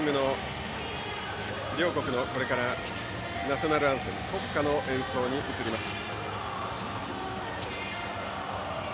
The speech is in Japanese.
両国の、これからナショナルアンセム国歌の演奏に移ります。